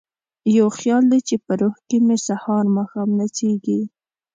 یو خیال دی چې په روح کې مې سهار ماښام نڅیږي